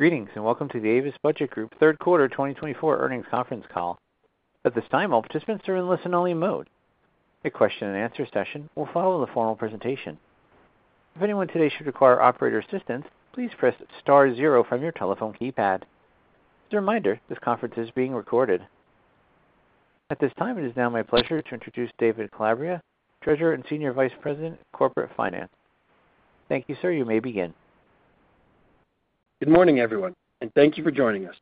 Greetings and welcome to the Avis Budget Group third quarter 2024 earnings conference call. At this time, all participants are in listen-only mode. A question-and-answer session will follow the formal presentation. If anyone today should require operator assistance, please press star zero from your telephone keypad. As a reminder, this conference is being recorded. At this time, it is now my pleasure to introduce David Calabria, Treasurer and Senior Vice President, Corporate Finance. Thank you, sir. You may begin. Good morning, everyone, and thank you for joining us.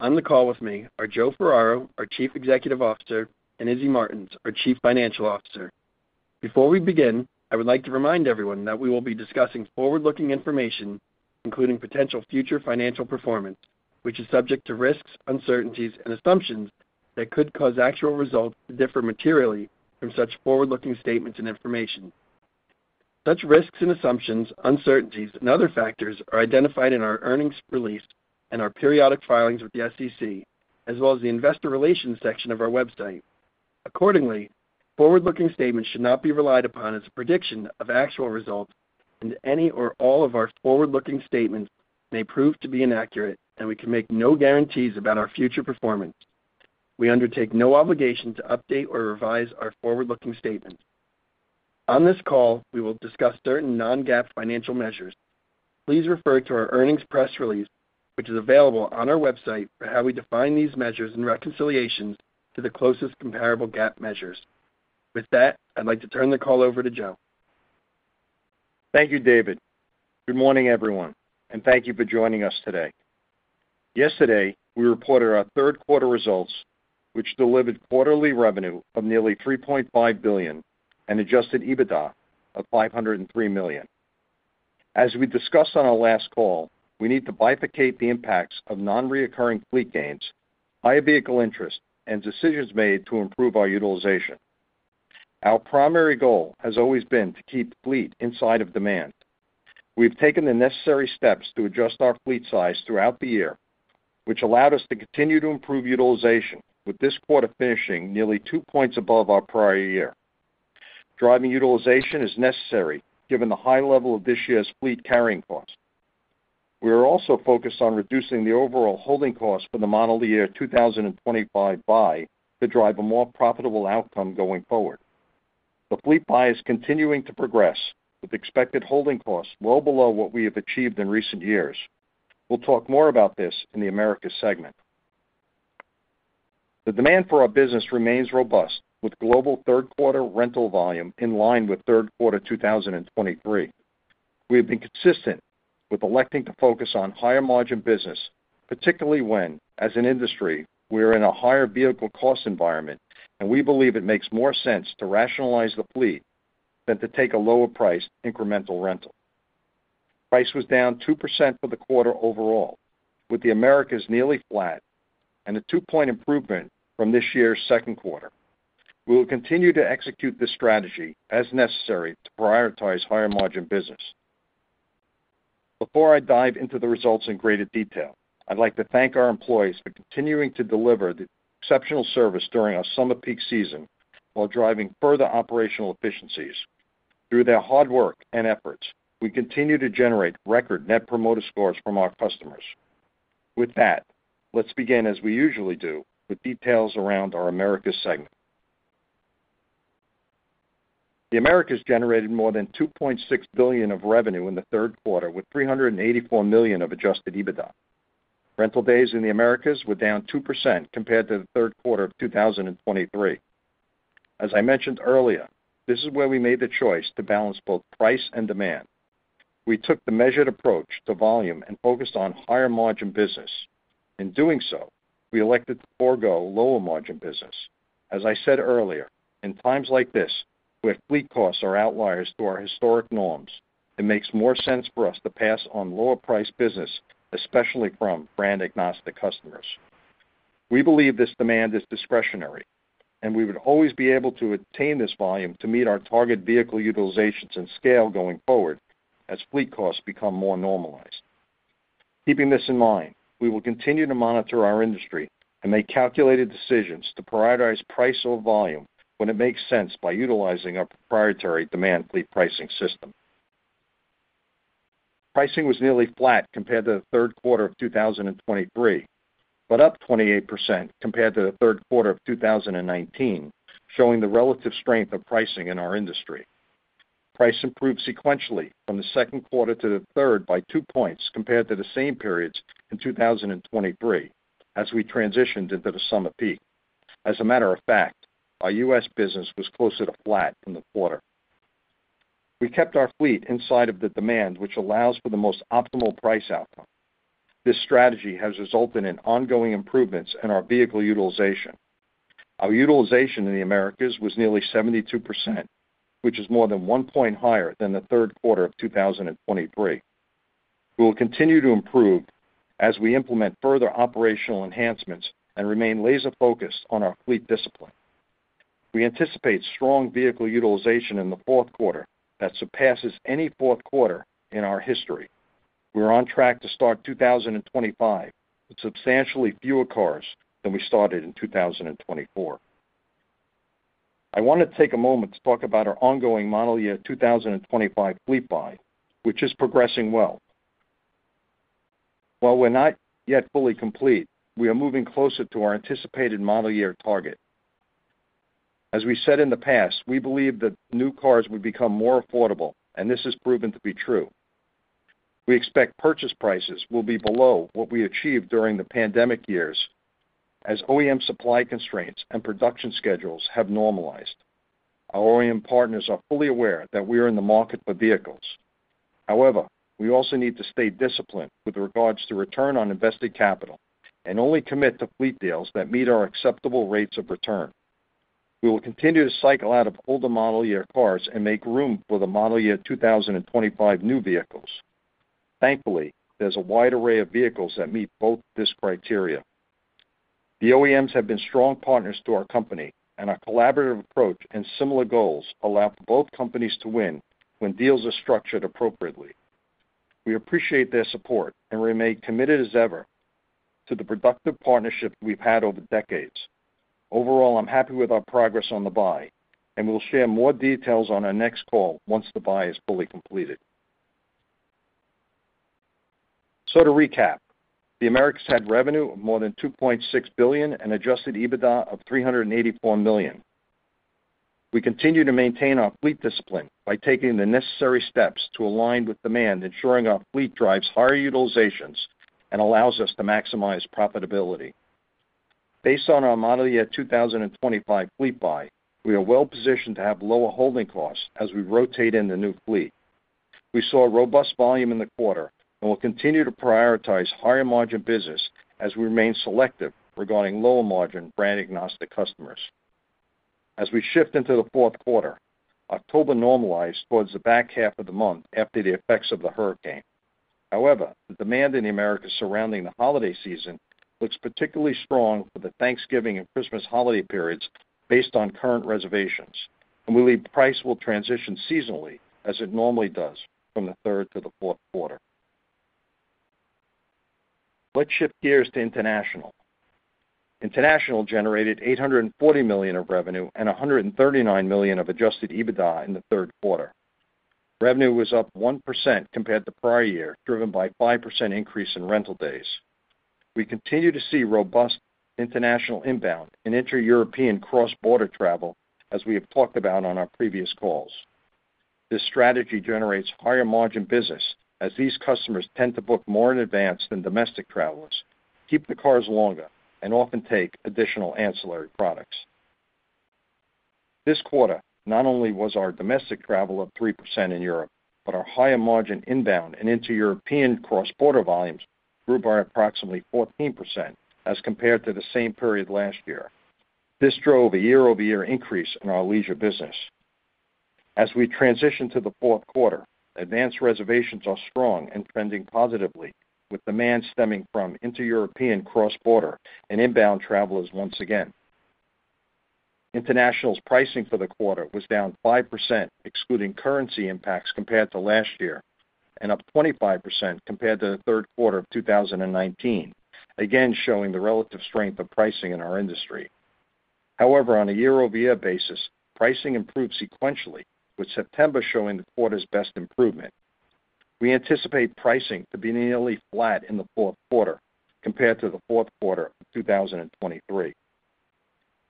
On the call with me are Joe Ferraro, our Chief Executive Officer, and Izilda Martins, our Chief Financial Officer. Before we begin, I would like to remind everyone that we will be discussing forward-looking information, including potential future financial performance, which is subject to risks, uncertainties, and assumptions that could cause actual results to differ materially from such forward-looking statements and information. Such risks and assumptions, uncertainties, and other factors are identified in our earnings release and our periodic filings with the SEC, as well as the investor relations section of our website. Accordingly, forward-looking statements should not be relied upon as a prediction of actual results, and any or all of our forward-looking statements may prove to be inaccurate, and we can make no guarantees about our future performance. We undertake no obligation to update or revise our forward-looking statements. On this call, we will discuss certain non-GAAP financial measures. Please refer to our earnings press release, which is available on our website, for how we define these measures and reconciliations to the closest comparable GAAP measures. With that, I'd like to turn the call over to Joe. Thank you, David. Good morning, everyone, and thank you for joining us today. Yesterday, we reported our third quarter results, which delivered quarterly revenue of nearly $3.5 billion and Adjusted EBITDA of $503 million. As we discussed on our last call, we need to bifurcate the impacts of non-recurring fleet gains, higher vehicle interest, and decisions made to improve our utilization. Our primary goal has always been to keep fleet inside of demand. We've taken the necessary steps to adjust our fleet size throughout the year, which allowed us to continue to improve utilization, with this quarter finishing nearly two points above our prior year. Driving utilization is necessary given the high level of this year's fleet carrying cost. We are also focused on reducing the overall holding cost for the model year 2025 buy to drive a more profitable outcome going forward. The fleet buy is continuing to progress, with expected holding costs well below what we have achieved in recent years. We'll talk more about this in the Americas segment. The demand for our business remains robust, with global third quarter rental volume in line with third quarter 2023. We have been consistent with electing to focus on higher margin business, particularly when, as an industry, we are in a higher vehicle cost environment, and we believe it makes more sense to rationalize the fleet than to take a lower price incremental rental. Price was down 2% for the quarter overall, with the Americas nearly flat and a two-point improvement from this year's second quarter. We will continue to execute this strategy as necessary to prioritize higher margin business. Before I dive into the results in greater detail, I'd like to thank our employees for continuing to deliver the exceptional service during our summer peak season while driving further operational efficiencies. Through their hard work and efforts, we continue to generate record Net Promoter Scores from our customers. With that, let's begin, as we usually do, with details around our Americas segment. The Americas generated more than $2.6 billion of revenue in the third quarter, with $384 million of Adjusted EBITDA. Rental days in the Americas were down 2% compared to the third quarter of 2023. As I mentioned earlier, this is where we made the choice to balance both price and demand. We took the measured approach to volume and focused on higher margin business. In doing so, we elected to forgo lower margin business. As I said earlier, in times like this, where fleet costs are outliers to our historic norms, it makes more sense for us to pass on lower price business, especially from brand-agnostic customers. We believe this demand is discretionary, and we would always be able to attain this volume to meet our target vehicle utilizations and scale going forward as fleet costs become more normalized. Keeping this in mind, we will continue to monitor our industry and make calculated decisions to prioritize price or volume when it makes sense by utilizing our proprietary Demand Fleet Pricing system. Pricing was nearly flat compared to the third quarter of 2023, but up 28% compared to the third quarter of 2019, showing the relative strength of pricing in our industry. Price improved sequentially from the second quarter to the third by two points compared to the same periods in 2023 as we transitioned into the summer peak. As a matter of fact, our U.S. business was closer to flat in the quarter. We kept our fleet inside of the demand, which allows for the most optimal price outcome. This strategy has resulted in ongoing improvements in our vehicle utilization. Our utilization in the Americas was nearly 72%, which is more than one point higher than the third quarter of 2023. We will continue to improve as we implement further operational enhancements and remain laser-focused on our fleet discipline. We anticipate strong vehicle utilization in the fourth quarter that surpasses any fourth quarter in our history. We are on track to start 2025 with substantially fewer cars than we started in 2024. I want to take a moment to talk about our ongoing model year 2025 fleet buy, which is progressing well. While we're not yet fully complete, we are moving closer to our anticipated model year target. As we said in the past, we believe that new cars will become more affordable, and this has proven to be true. We expect purchase prices will be below what we achieved during the pandemic years as OEM supply constraints and production schedules have normalized. Our OEM partners are fully aware that we are in the market for vehicles. However, we also need to stay disciplined with regards to return on invested capital and only commit to fleet deals that meet our acceptable rates of return. We will continue to cycle out of older model year cars and make room for the model year 2025 new vehicles. Thankfully, there's a wide array of vehicles that meet both this criteria. The OEMs have been strong partners to our company, and our collaborative approach and similar goals allow for both companies to win when deals are structured appropriately. We appreciate their support and remain committed as ever to the productive partnership we've had over decades. Overall, I'm happy with our progress on the buy, and we'll share more details on our next call once the buy is fully completed. So, to recap, the Americas had revenue of more than $2.6 billion and Adjusted EBITDA of $384 million. We continue to maintain our fleet discipline by taking the necessary steps to align with demand, ensuring our fleet drives higher utilizations and allows us to maximize profitability. Based on our model year 2025 fleet buy, we are well positioned to have lower holding costs as we rotate in the new fleet. We saw robust volume in the quarter and will continue to prioritize higher margin business as we remain selective regarding lower margin brand-agnostic customers. As we shift into the fourth quarter, October normalized towards the back half of the month after the effects of the hurricane. However, the demand in the Americas surrounding the holiday season looks particularly strong for the Thanksgiving and Christmas holiday periods based on current reservations, and we believe price will transition seasonally as it normally does from the third to the fourth quarter. Let's shift gears to International. International generated $840 million of revenue and $139 million of Adjusted EBITDA in the third quarter. Revenue was up 1% compared to prior year, driven by a 5% increase in rental days. We continue to see robust international inbound and inter-European cross-border travel as we have talked about on our previous calls. This strategy generates higher margin business as these customers tend to book more in advance than domestic travelers, keep the cars longer, and often take additional ancillary products. This quarter not only was our domestic travel up 3% in Europe, but our higher margin inbound and inter-European cross-border volumes grew by approximately 14% as compared to the same period last year. This drove a year-over-year increase in our leisure business. As we transition to the fourth quarter, advanced reservations are strong and trending positively, with demand stemming from inter-European cross-border and inbound travelers once again. International's pricing for the quarter was down 5%, excluding currency impacts compared to last year, and up 25% compared to the third quarter of 2019, again showing the relative strength of pricing in our industry. However, on a year-over-year basis, pricing improved sequentially, with September showing the quarter's best improvement. We anticipate pricing to be nearly flat in the fourth quarter compared to the fourth quarter of 2023.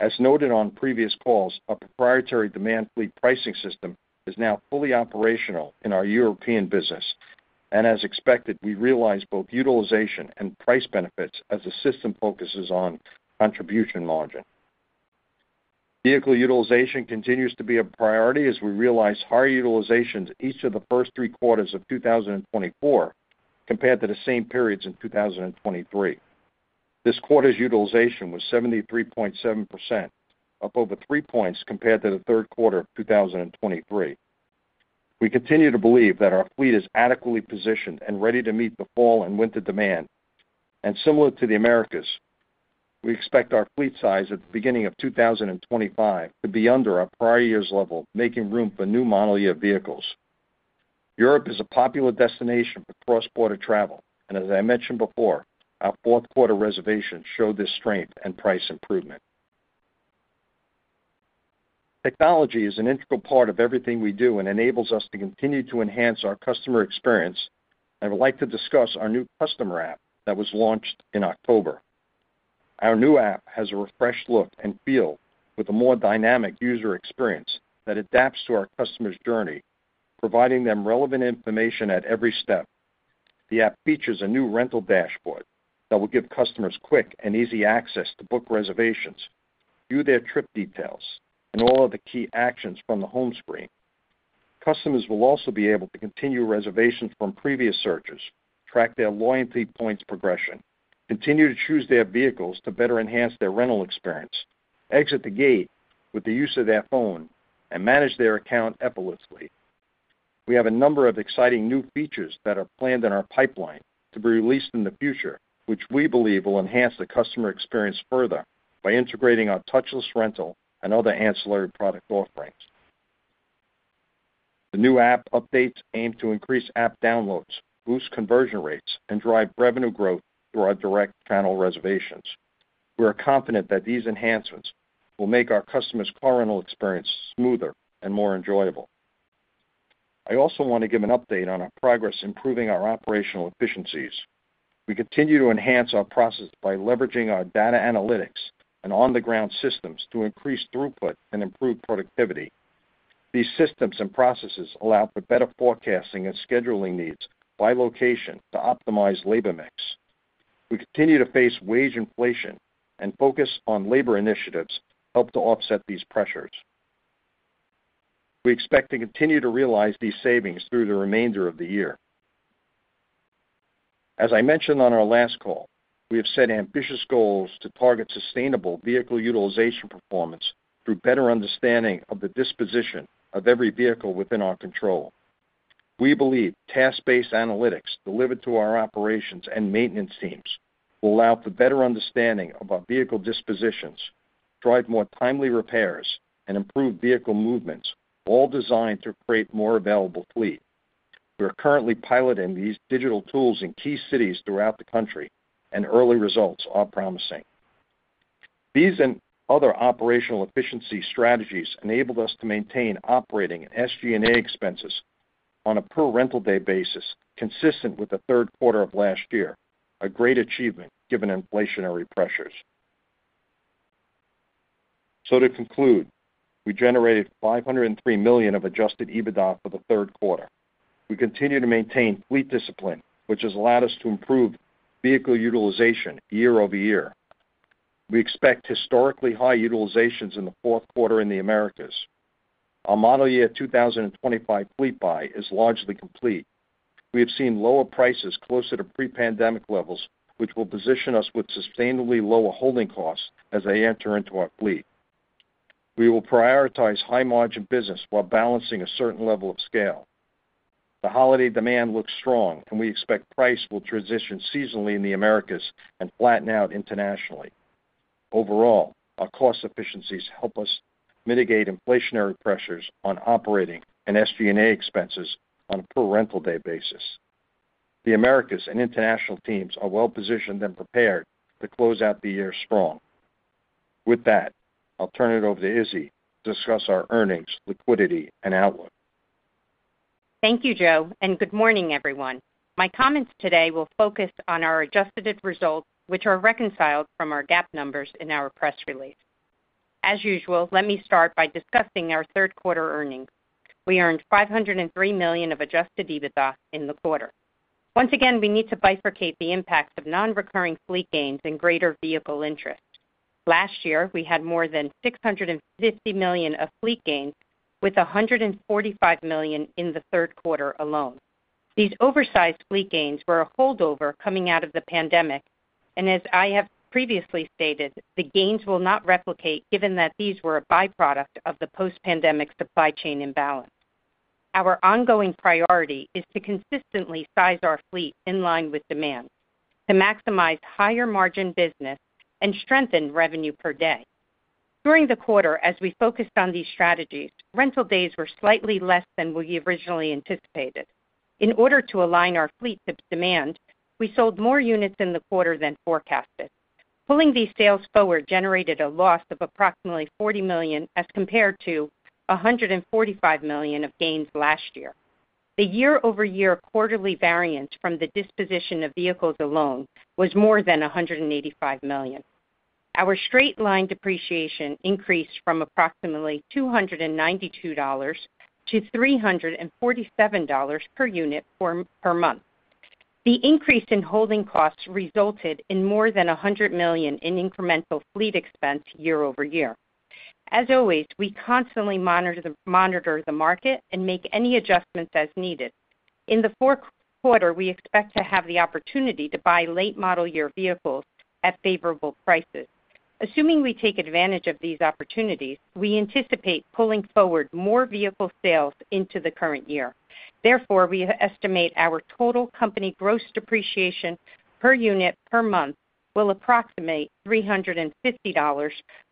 As noted on previous calls, our proprietary demand fleet pricing system is now fully operational in our European business, and as expected, we realize both utilization and price benefits as the system focuses on contribution margin. Vehicle utilization continues to be a priority as we realize higher utilizations each of the first three quarters of 2024 compared to the same periods in 2023. This quarter's utilization was 73.7%, up over three points compared to the third quarter of 2023. We continue to believe that our fleet is adequately positioned and ready to meet the fall and winter demand, and similar to the Americas, we expect our fleet size at the beginning of 2025 to be under our prior year's level, making room for new model year vehicles. Europe is a popular destination for cross-border travel, and as I mentioned before, our fourth quarter reservations show this strength and price improvement. Technology is an integral part of everything we do and enables us to continue to enhance our customer experience, and I'd like to discuss our new customer app that was launched in October. Our new app has a refreshed look and feel with a more dynamic user experience that adapts to our customer's journey, providing them relevant information at every step. The app features a new rental dashboard that will give customers quick and easy access to book reservations, view their trip details, and all of the key actions from the home screen. Customers will also be able to continue reservations from previous searches, track their loyalty points progression, continue to choose their vehicles to better enhance their rental experience, exit the gate with the use of their phone, and manage their account effortlessly. We have a number of exciting new features that are planned in our pipeline to be released in the future, which we believe will enhance the customer experience further by integrating our touchless rental and other ancillary product offerings. The new app updates aim to increase app downloads, boost conversion rates, and drive revenue growth through our direct channel reservations. We are confident that these enhancements will make our customers' car rental experience smoother and more enjoyable. I also want to give an update on our progress improving our operational efficiencies. We continue to enhance our processes by leveraging our data analytics and on-the-ground systems to increase throughput and improve productivity. These systems and processes allow for better forecasting and scheduling needs by location to optimize labor mix. We continue to face wage inflation, and focus on labor initiatives help to offset these pressures. We expect to continue to realize these savings through the remainder of the year. As I mentioned on our last call, we have set ambitious goals to target sustainable vehicle utilization performance through better understanding of the disposition of every vehicle within our control. We believe task-based analytics delivered to our operations and maintenance teams will allow for better understanding of our vehicle dispositions, drive more timely repairs, and improve vehicle movements, all designed to create more available fleet. We are currently piloting these digital tools in key cities throughout the country, and early results are promising. These and other operational efficiency strategies enabled us to maintain operating SG&A expenses on a per rental day basis consistent with the third quarter of last year, a great achievement given inflationary pressures. So, to conclude, we generated $503 million of Adjusted EBITDA for the third quarter. We continue to maintain fleet discipline, which has allowed us to improve vehicle utilization year-over-year. We expect historically high utilizations in the fourth quarter in the Americas. Our model year 2025 fleet buy is largely complete. We have seen lower prices closer to pre-pandemic levels, which will position us with sustainably lower holding costs as they enter into our fleet. We will prioritize high-margin business while balancing a certain level of scale. The holiday demand looks strong, and we expect price will transition seasonally in the Americas and flatten out internationally. Overall, our cost efficiencies help us mitigate inflationary pressures on operating and SG&A expenses on a per rental day basis. The Americas and international teams are well positioned and prepared to close out the year strong. With that, I'll turn it over to Izilda to discuss our earnings, liquidity, and outlook. Thank you, Joe, and good morning, everyone. My comments today will focus on our adjusted results, which are reconciled from our GAAP numbers in our press release. As usual, let me start by discussing our third quarter earnings. We earned $503 million of adjusted EBITDA in the quarter. Once again, we need to bifurcate the impacts of non-recurring fleet gains and greater vehicle interest. Last year, we had more than $650 million of fleet gains, with $145 million in the third quarter alone. These oversized fleet gains were a holdover coming out of the pandemic, and as I have previously stated, the gains will not replicate given that these were a byproduct of the post-pandemic supply chain imbalance. Our ongoing priority is to consistently size our fleet in line with demand to maximize higher margin business and strengthen revenue per day. During the quarter, as we focused on these strategies, rental days were slightly less than we originally anticipated. In order to align our fleet to demand, we sold more units in the quarter than forecasted. Pulling these sales forward generated a loss of approximately $40 million as compared to $145 million of gains last year. The year-over-year quarterly variance from the disposition of vehicles alone was more than $185 million. Our straight-line depreciation increased from approximately $292-$347 per unit per month. The increase in holding costs resulted in more than $100 million in incremental fleet expense year-over-year. As always, we constantly monitor the market and make any adjustments as needed. In the fourth quarter, we expect to have the opportunity to buy late model year vehicles at favorable prices. Assuming we take advantage of these opportunities, we anticipate pulling forward more vehicle sales into the current year. Therefore, we estimate our total company gross depreciation per unit per month will approximate $350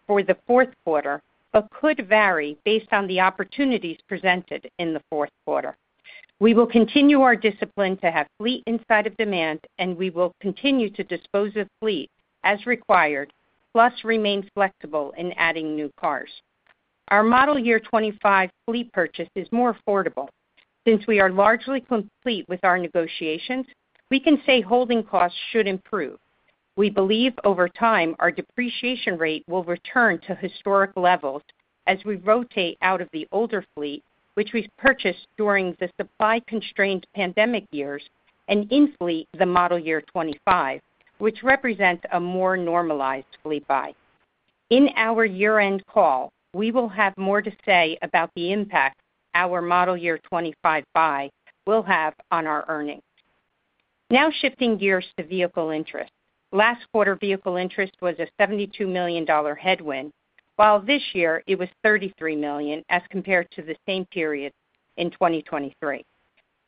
for the fourth quarter, but could vary based on the opportunities presented in the fourth quarter. We will continue our discipline to have fleet inside of demand, and we will continue to dispose of fleet as required, plus remain flexible in adding new cars. Our model year '25 fleet purchase is more affordable. Since we are largely complete with our negotiations, we can say holding costs should improve. We believe over time our depreciation rate will return to historic levels as we rotate out of the older fleet, which we purchased during the supply-constrained pandemic years, and into the fleet the model year '25, which represents a more normalized fleet buy. In our year-end call, we will have more to say about the impact our model year '25 buy will have on our earnings. Now shifting gears to vehicle interest. Last quarter vehicle interest was a $72 million headwind, while this year it was $33 million as compared to the same period in 2023.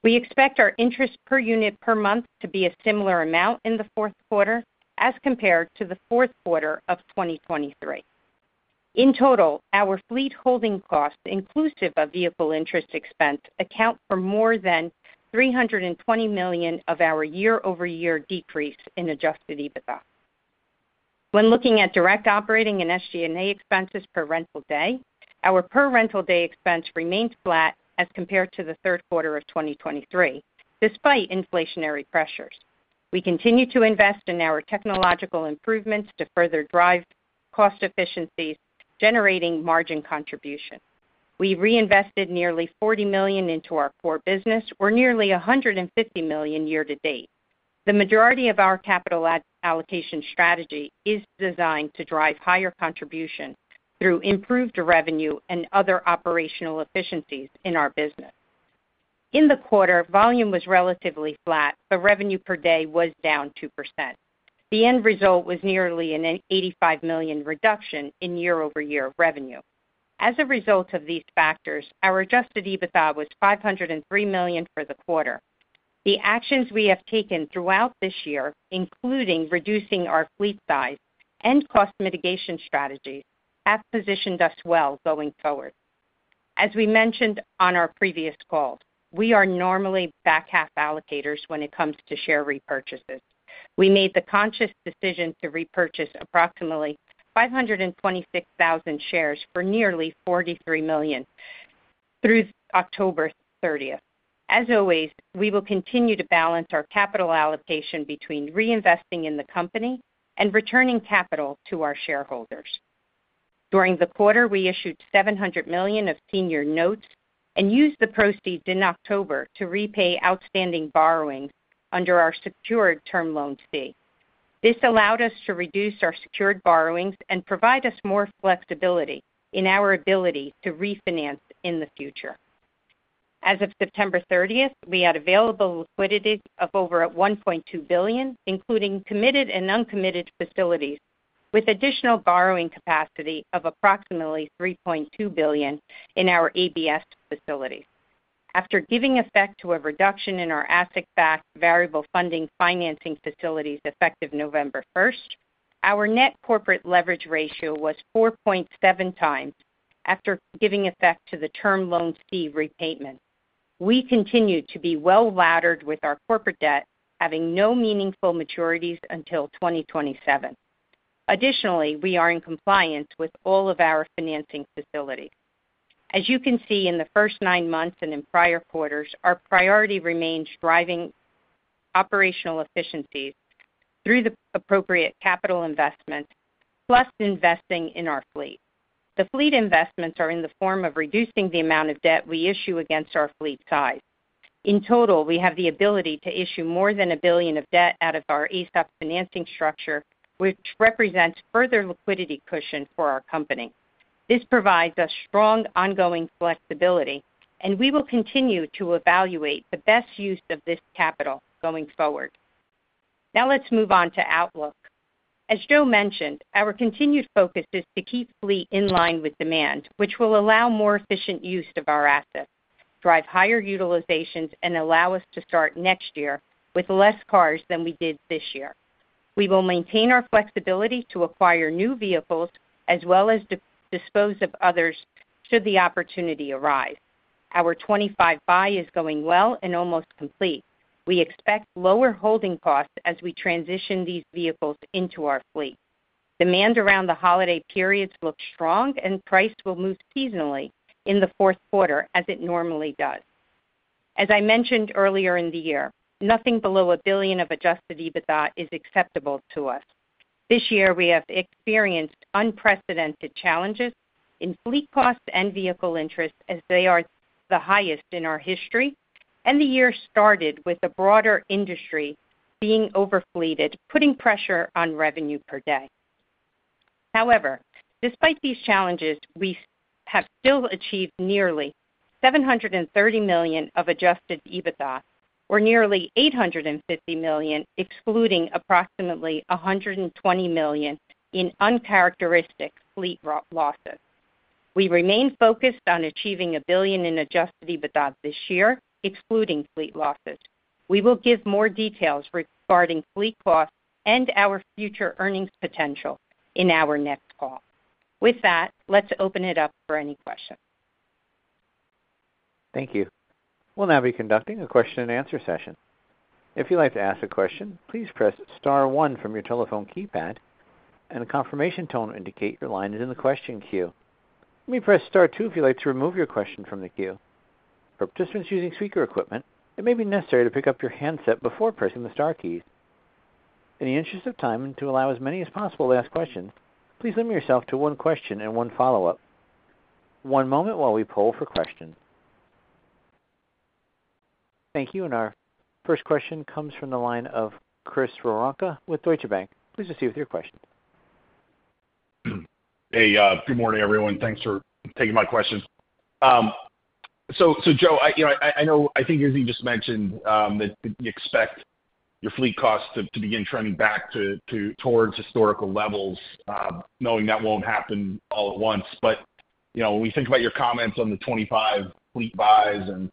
We expect our interest per unit per month to be a similar amount in the fourth quarter as compared to the fourth quarter of 2023. In total, our fleet holding costs, inclusive of vehicle interest expense, account for more than $320 million of our year-over-year decrease in adjusted EBITDA. When looking at direct operating and SG&A expenses per rental day, our per rental day expense remains flat as compared to the third quarter of 2023, despite inflationary pressures. We continue to invest in our technological improvements to further drive cost efficiencies, generating margin contribution. We reinvested nearly $40 million into our core business, or nearly $150 million year-to-date. The majority of our capital allocation strategy is designed to drive higher contribution through improved revenue and other operational efficiencies in our business. In the quarter, volume was relatively flat, but revenue per day was down 2%. The end result was nearly an $85 million reduction in year-over-year revenue. As a result of these factors, our Adjusted EBITDA was $503 million for the quarter. The actions we have taken throughout this year, including reducing our fleet size and cost mitigation strategies, have positioned us well going forward. As we mentioned on our previous call, we are normally back half allocators when it comes to share repurchases. We made the conscious decision to repurchase approximately 526,000 shares for nearly $43 million through October 30th. As always, we will continue to balance our capital allocation between reinvesting in the company and returning capital to our shareholders. During the quarter, we issued $700 million of senior notes and used the proceeds in October to repay outstanding borrowings under our secured term loan facility. This allowed us to reduce our secured borrowings and provide us more flexibility in our ability to refinance in the future. As of September 30th, we had available liquidity of over $1.2 billion, including committed and uncommitted facilities, with additional borrowing capacity of approximately $3.2 billion in our ABS facilities. After giving effect to a reduction in our asset-backed variable funding financing facilities effective November 1st, our net corporate leverage ratio was 4.7 times after giving effect to the Term Loan B repayment. We continue to be well laddered with our corporate debt, having no meaningful maturities until 2027. Additionally, we are in compliance with all of our financing facilities. As you can see in the first nine months and in prior quarters, our priority remains driving operational efficiencies through the appropriate capital investments, plus investing in our fleet. The fleet investments are in the form of reducing the amount of debt we issue against our fleet size. In total, we have the ability to issue more than $1 billion of debt out of our AESOP financing structure, which represents further liquidity cushion for our company. This provides us strong ongoing flexibility, and we will continue to evaluate the best use of this capital going forward. Now let's move on to outlook. As Joe mentioned, our continued focus is to keep fleet in line with demand, which will allow more efficient use of our assets, drive higher utilizations, and allow us to start next year with less cars than we did this year. We will maintain our flexibility to acquire new vehicles as well as dispose of others should the opportunity arise. Our '25 buy is going well and almost complete. We expect lower holding costs as we transition these vehicles into our fleet. Demand around the holiday periods looks strong, and price will move seasonally in the fourth quarter as it normally does. As I mentioned earlier in the year, nothing below $1 billion of Adjusted EBITDA is acceptable to us. This year, we have experienced unprecedented challenges in fleet costs and vehicle interest as they are the highest in our history, and the year started with a broader industry being overfleeted, putting pressure on revenue per day. However, despite these challenges, we have still achieved nearly $730 million of Adjusted EBITDA, or nearly $850 million excluding approximately $120 million in uncharacteristic fleet losses. We remain focused on achieving $1 billion in Adjusted EBITDA this year, excluding fleet losses. We will give more details regarding fleet costs and our future earnings potential in our next call. With that, let's open it up for any questions. Thank you. We'll now be conducting a question-and-answer session. If you'd like to ask a question, please press Star 1 from your telephone keypad, and a confirmation tone will indicate your line is in the question queue. You may press Star 2 if you'd like to remove your question from the queue. For participants using speaker equipment, it may be necessary to pick up your handset before pressing the Star keys. In the interest of time and to allow as many as possible to ask questions, please limit yourself to one question and one follow-up. One moment while we poll for questions. Thank you. And our first question comes from the line of Chris Woronka with Deutsche Bank. Please proceed with your question. Hey, good morning, everyone. Thanks for taking my questions. So, Joe, I know I think Izilda just mentioned that you expect your fleet costs to begin trending back towards historical levels, knowing that won't happen all at once. But when we think about your comments on the 2025 fleet buys and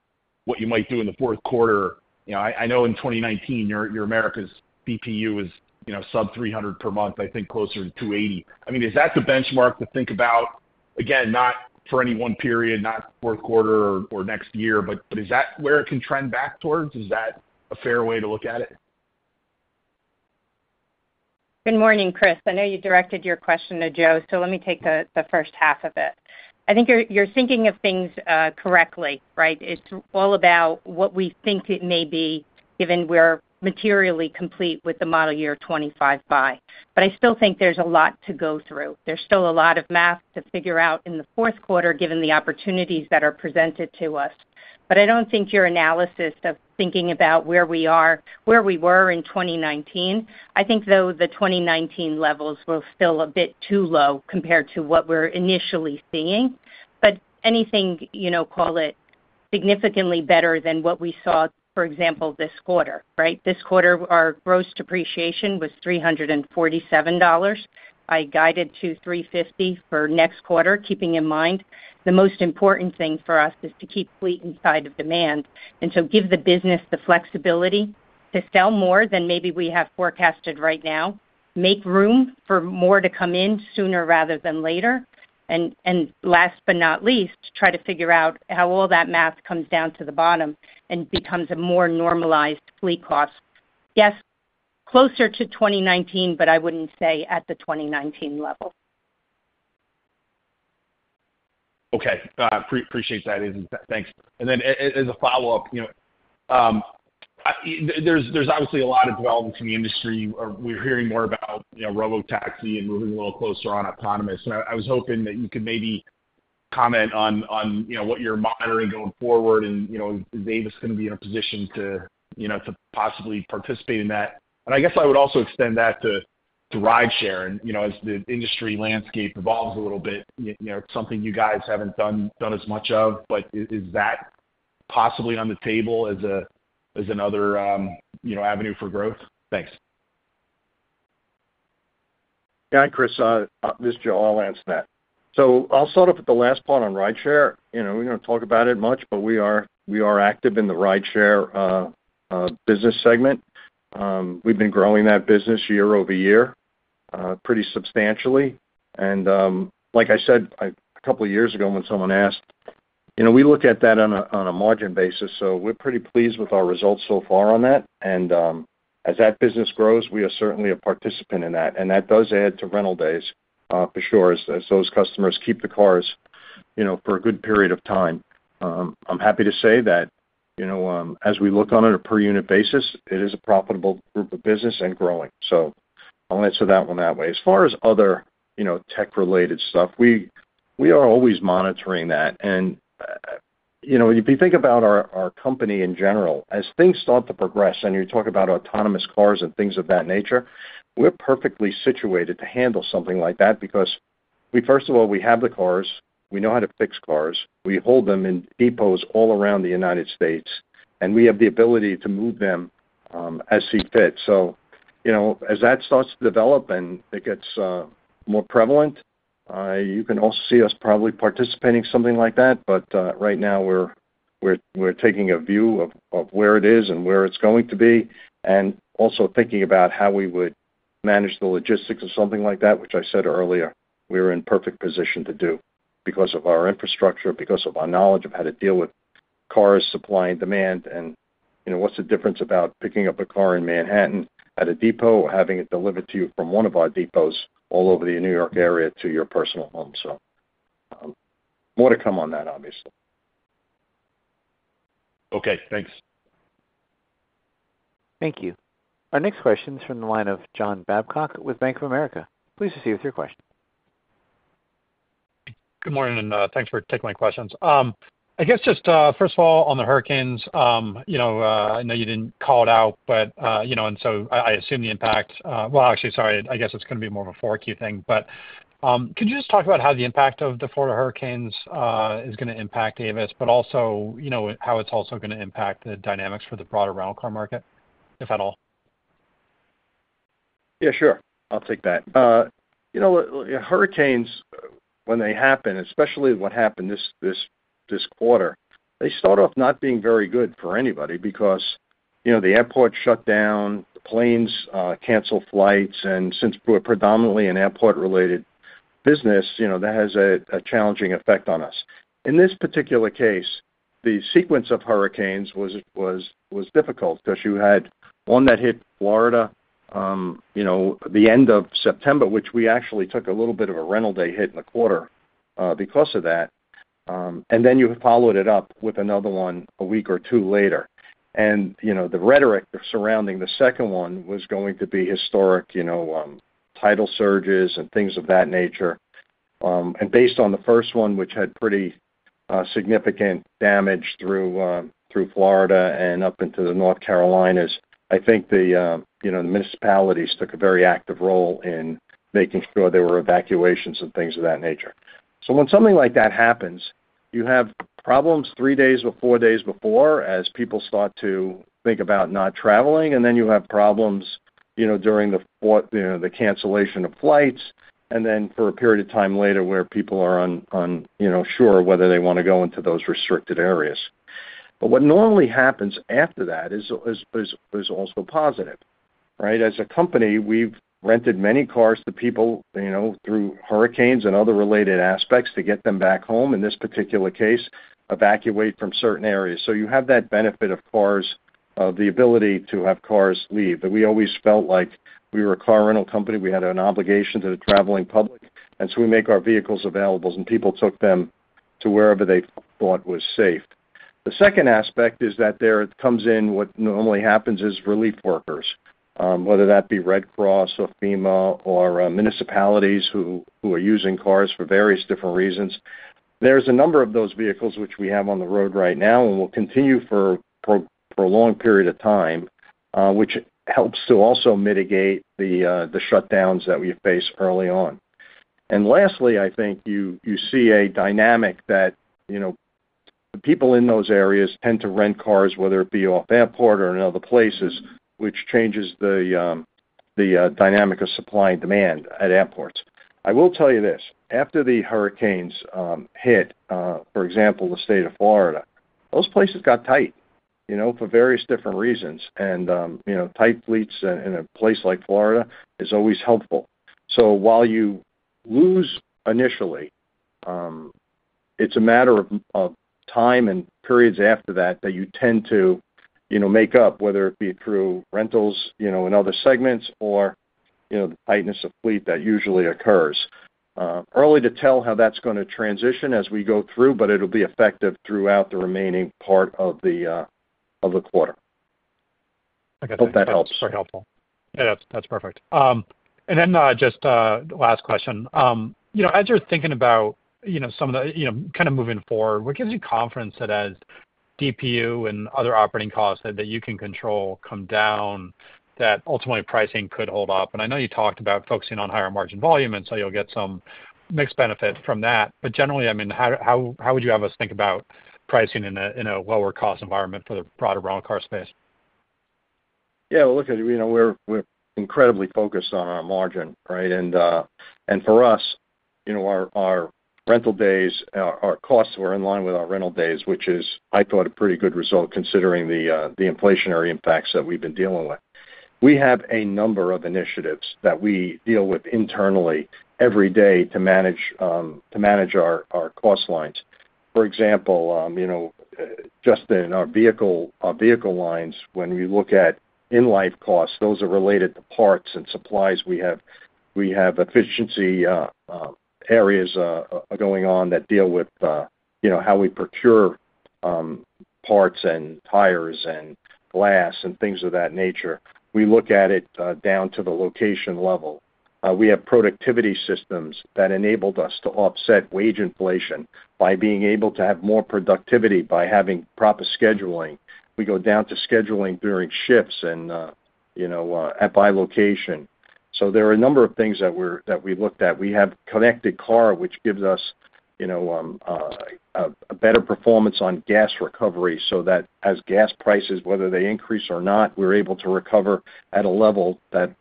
what you might do in the fourth quarter, I know in 2019 your America's DPU was sub-300 per month, I think closer to 280. I mean, is that the benchmark to think about, again, not for any one period, not fourth quarter or next year, but is that where it can trend back towards? Is that a fair way to look at it? Good morning, Chris. I know you directed your question to Joe, so let me take the first half of it. I think you're thinking of things correctly, right? It's all about what we think it may be given we're materially complete with the model year 2025 buy. But I still think there's a lot to go through. There's still a lot of math to figure out in the fourth quarter given the opportunities that are presented to us. But I don't think your analysis of thinking about where we were in 2019, I think, though, the 2019 levels were still a bit too low compared to what we're initially seeing. But anything, call it significantly better than what we saw, for example, this quarter, right? This quarter, our gross depreciation was $347. I guided to $350 for next quarter, keeping in mind the most important thing for us is to keep fleet inside of demand. And so, give the business the flexibility to sell more than maybe we have forecasted right now, make room for more to come in sooner rather than later, and last but not least, try to figure out how all that math comes down to the bottom and becomes a more normalized fleet cost. Yes, closer to 2019, but I wouldn't say at the 2019 level. Okay. Appreciate that, Izilda. Thanks. And then, as a follow-up, there's obviously a lot of developments in the industry. We're hearing more about robotaxi and moving a little closer on autonomous. And I was hoping that you could maybe comment on what you're monitoring going forward, and is Avis going to be in a position to possibly participate in that? And I guess I would also extend that to rideshare. As the industry landscape evolves a little bit, it's something you guys haven't done as much of, but is that possibly on the table as another avenue for growth? Thanks. Yeah, Chris, this is Joe. I'll answer that. So I'll start off with the last part on rideshare. We don't talk about it much, but we are active in the rideshare business segment. We've been growing that business year over year pretty substantially. And like I said a couple of years ago when someone asked, we look at that on a margin basis, so we're pretty pleased with our results so far on that. And as that business grows, we are certainly a participant in that. And that does add to rental days for sure as those customers keep the cars for a good period of time. I'm happy to say that as we look at it on a per-unit basis, it is a profitable group of business and growing. So I'll answer that one that way. As far as other tech-related stuff, we are always monitoring that. And if you think about our company in general, as things start to progress and you talk about autonomous cars and things of that nature, we're perfectly situated to handle something like that because, first of all, we have the cars. We know how to fix cars. We hold them in depots all around the United States, and we have the ability to move them as we see fit. So as that starts to develop and it gets more prevalent, you can also see us probably participating in something like that. But right now, we're taking a view of where it is and where it's going to be, and also thinking about how we would manage the logistics of something like that, which I said earlier, we're in perfect position to do because of our infrastructure, because of our knowledge of how to deal with cars, supply, and demand. And what's the difference about picking up a car in Manhattan at a depot or having it delivered to you from one of our depots all over the New York area to your personal home? So more to come on that, obviously. Okay. Thanks. Thank you. Our next question is from the line of John Babcock with Bank of America. Please proceed with your question. Good morning, and thanks for taking my questions. I guess just first of all, on the hurricanes, I know you didn't call it out, but and so I assume the impact well, actually, sorry, I guess it's going to be more of a forward-looking thing. But could you just talk about how the impact of the Florida hurricanes is going to impact Avis, but also how it's also going to impact the dynamics for the broader rental car market, if at all? Yeah, sure. I'll take that. Hurricanes, when they happen, especially what happened this quarter, they start off not being very good for anybody because the airport shut down, the planes canceled flights. And since we're predominantly an airport-related business, that has a challenging effect on us. In this particular case, the sequence of hurricanes was difficult because you had one that hit Florida at the end of September, which we actually took a little bit of a rental day hit in the quarter because of that, and then you followed it up with another one a week or two later, and the rhetoric surrounding the second one was going to be historic tidal surges and things of that nature, and based on the first one, which had pretty significant damage through Florida and up into North Carolina, I think the municipalities took a very active role in making sure there were evacuations and things of that nature. So when something like that happens, you have problems three days or four days before as people start to think about not traveling, and then you have problems during the cancellation of flights, and then for a period of time later where people are unsure whether they want to go into those restricted areas. But what normally happens after that is also positive, right? As a company, we've rented many cars to people through hurricanes and other related aspects to get them back home, in this particular case, evacuate from certain areas. So you have that benefit of cars, the ability to have cars leave. But we always felt like we were a car rental company. We had an obligation to the traveling public. And so we make our vehicles available, and people took them to wherever they thought was safe. The second aspect is that there comes in what normally happens is relief workers, whether that be Red Cross or FEMA or municipalities who are using cars for various different reasons. There's a number of those vehicles which we have on the road right now and will continue for a prolonged period of time, which helps to also mitigate the shutdowns that we face early on, and lastly, I think you see a dynamic that the people in those areas tend to rent cars, whether it be off airport or in other places, which changes the dynamic of supply and demand at airports. I will tell you this. After the hurricanes hit, for example, the state of Florida, those places got tight for various different reasons, and tight fleets in a place like Florida is always helpful. So while you lose initially, it's a matter of time and periods after that that you tend to make up, whether it be through rentals in other segments or the tightness of fleet that usually occurs. Too early to tell how that's going to transition as we go through, but it'll be effective throughout the remaining part of the quarter. I hope that helps. That's helpful. Yeah, that's perfect. And then just last question. As you're thinking about some of the kind of moving forward, what gives you confidence that as DPU and other operating costs that you can control come down, that ultimately pricing could hold up? And I know you talked about focusing on higher margin volume, and so you'll get some mixed benefit from that. But generally, I mean, how would you have us think about pricing in a lower-cost environment for the broader rental car space? Yeah, look, we're incredibly focused on our margin, right? And for us, our rental days, our costs were in line with our rental days, which is, I thought, a pretty good result considering the inflationary impacts that we've been dealing with. We have a number of initiatives that we deal with internally every day to manage our cost lines. For example, just in our vehicle lines, when we look at in-life costs, those are related to parts and supplies. We have efficiency areas going on that deal with how we procure parts and tires and glass and things of that nature. We look at it down to the location level. We have productivity systems that enabled us to offset wage inflation by being able to have more productivity by having proper scheduling. We go down to scheduling during shifts and by location. So there are a number of things that we looked at. We have connected car, which gives us a better performance on gas recovery so that as gas prices, whether they increase or not, we're able to recover at a level that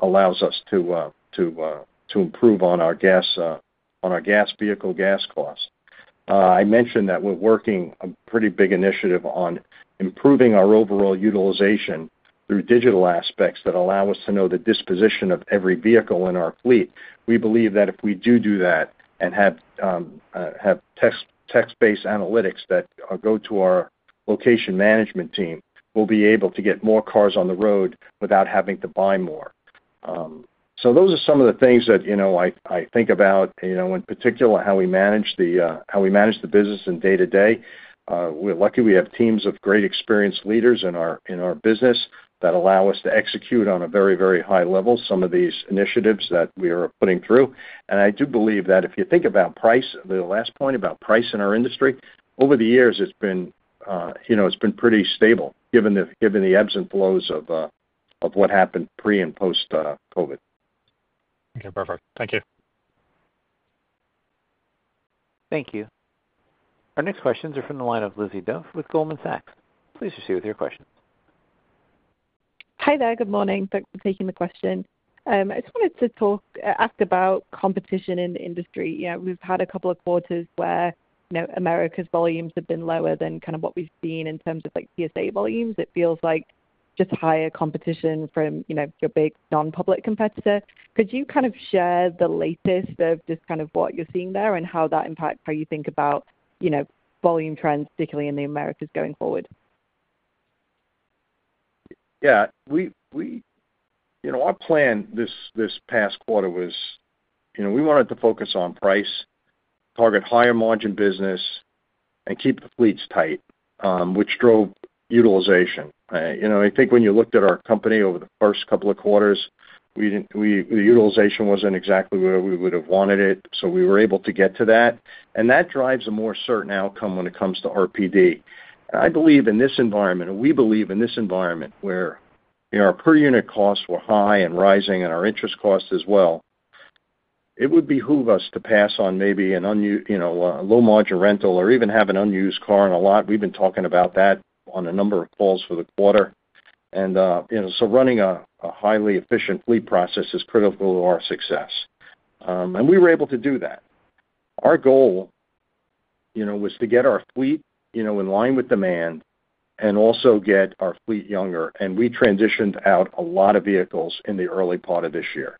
allows us to improve on our gas vehicle gas costs. I mentioned that we're working a pretty big initiative on improving our overall utilization through digital aspects that allow us to know the disposition of every vehicle in our fleet. We believe that if we do do that and have taskt-based analytics that go to our location management team, we'll be able to get more cars on the road without having to buy more. So those are some of the things that I think about in particular, how we manage the business in day-to-day. Luckily, we have teams of great experienced leaders in our business that allow us to execute on a very, very high level some of these initiatives that we are putting through. And I do believe that if you think about price, the last point about price in our industry, over the years, it's been pretty stable given the ebbs and flows of what happened pre and post-COVID. Okay. Perfect. Thank you. Thank you. Our next questions are from the line of Lizzie Dove with Goldman Sachs. Please proceed with your questions. Hi there. Good morning. Thanks for taking the question. I just wanted to talk about competition in the industry. We've had a couple of quarters where Americas' volumes have been lower than kind of what we've seen in terms of TSA volumes. It feels like just higher competition from your big non-public competitor. Could you kind of share the latest of just kind of what you're seeing there and how that impacts how you think about volume trends, particularly in the Americas going forward? Yeah. Our plan this past quarter was we wanted to focus on price, target higher margin business, and keep the fleets tight, which drove utilization. I think when you looked at our company over the first couple of quarters, the utilization wasn't exactly where we would have wanted it. So we were able to get to that. And that drives a more certain outcome when it comes to RPD. And I believe in this environment, we believe in this environment where our per-unit costs were high and rising and our interest costs as well, it would behoove us to pass on maybe a low-margin rental or even have an unused car in a lot. We've been talking about that on a number of calls for the quarter. And so running a highly efficient fleet process is critical to our success. And we were able to do that. Our goal was to get our fleet in line with demand and also get our fleet younger. And we transitioned out a lot of vehicles in the early part of this year.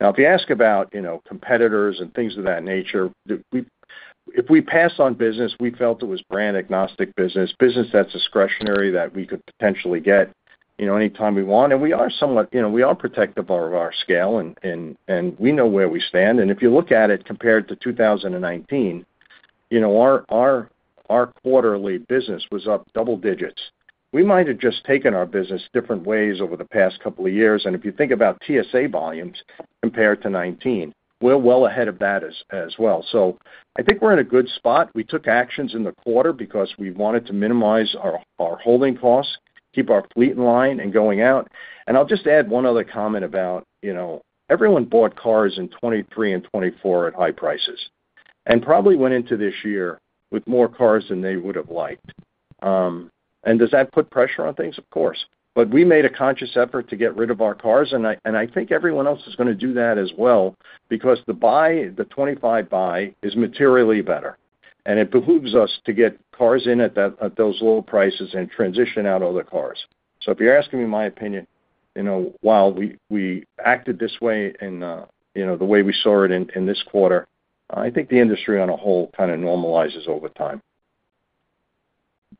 Now, if you ask about competitors and things of that nature, if we pass on business, we felt it was brand-agnostic business, business that's discretionary that we could potentially get anytime we want. And we are somewhat protective of our scale, and we know where we stand. And if you look at it compared to 2019, our quarterly business was up double digits. We might have just taken our business different ways over the past couple of years. And if you think about TSA volumes compared to 2019, we're well ahead of that as well. So I think we're in a good spot. We took actions in the quarter because we wanted to minimize our holding costs, keep our fleet in line and going out. And I'll just add one other comment about everyone bought cars in 2023 and 2024 at high prices and probably went into this year with more cars than they would have liked. And does that put pressure on things? Of course. But we made a conscious effort to get rid of our cars. And I think everyone else is going to do that as well because the 2025 buy is materially better. And it behooves us to get cars in at those low prices and transition out other cars. So if you're asking me my opinion, while we acted this way and the way we saw it in this quarter, I think the industry as a whole kind of normalizes over time.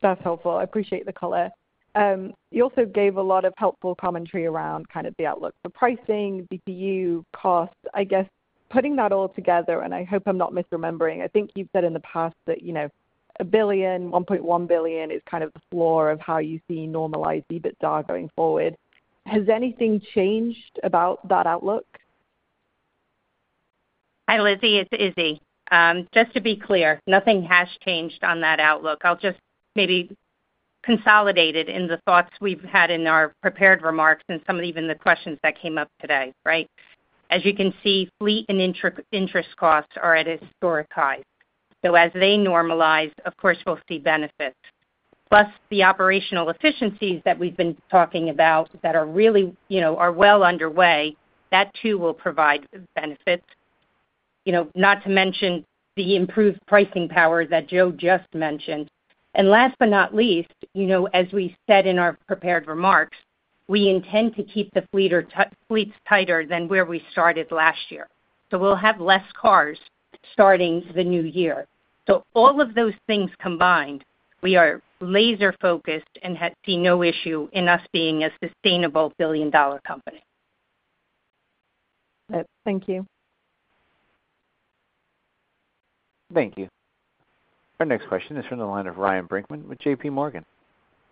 That's helpful. I appreciate the color. You also gave a lot of helpful commentary around kind of the outlook for pricing, DPU costs. I guess putting that all together, and I hope I'm not misremembering, I think you've said in the past that $1.1 billion is kind of the floor of how you see normalized EBITDA going forward. Has anything changed about that outlook? Hi, Lizzie. It's Izzy. Just to be clear, nothing has changed on that outlook. I'll just maybe consolidate it in the thoughts we've had in our prepared remarks and some of even the questions that came up today, right? As you can see, fleet and interest costs are at historic highs. So as they normalize, of course, we'll see benefits. Plus the operational efficiencies that we've been talking about that are really well underway, that too will provide benefits. Not to mention the improved pricing power that Joe just mentioned. And last but not least, as we said in our prepared remarks, we intend to keep the fleets tighter than where we started last year. So we'll have less cars starting the new year. So all of those things combined, we are laser-focused and see no issue in us being a sustainable billion-dollar company. Thank you. Thank you. Our next question is from the line of Ryan Brinkman with J.P. Morgan.